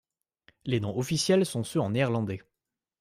Les noms officiels sont ceux en néerlandais.